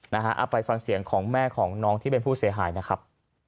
เอาไปฟังเสียงของแม่ของน้องที่เป็นผู้เสียหายนะครับ